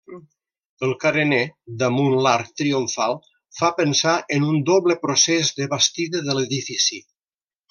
El carener, damunt l'arc triomfal, fa pensar en un doble procés de bastida de l'edifici.